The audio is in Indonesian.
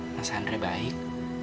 iya bu mas andre baik